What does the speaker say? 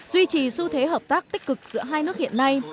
duy trì xu thế hợp tác tích cực giữa hai nước hiện nay